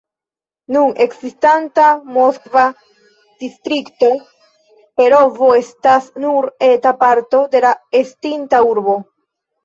Nun ekzistanta moskva distrikto Perovo estas nur eta parto de estinta urbo.